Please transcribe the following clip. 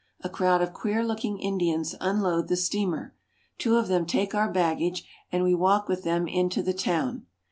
A crowd of queer looking Indians unload the steamer. Two of them take our baggage, and we walk with them into the town.